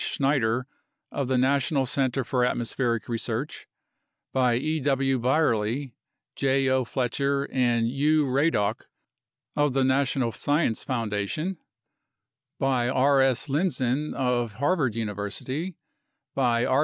Schneider of the National Center for Atmospheric Research; by E. W. Bierly, J. O. Fletcher, and U. Radok of the National Science Foundation; by R. S. PREFACE XI Lindzen of Harvard University; by R.